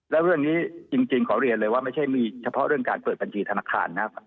แล้วเรื่องนี้จริงขอเรียนเลยว่าไม่ใช่มีเฉพาะเรื่องการเปิดบัญชีธนาคารนะครับ